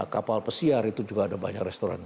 kapal pesiar itu juga ada banyak restoran